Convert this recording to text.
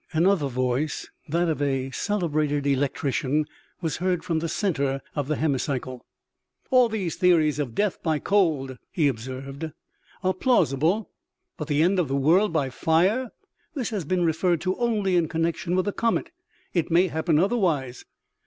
Another voice, that of a celebrated electrician, was heard from the center of the hemicycle. " All these theories of death by cold," he observed, u are plausible. But the end of the world by fire ? This has been referred to only in connection with the comet. It may happen otherwise.